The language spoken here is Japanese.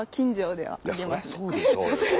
そりゃそうでしょうよ。